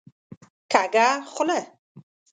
کږه خوله